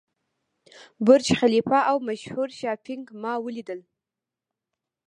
برج خلیفه او مشهور شاپینګ مال ولیدل.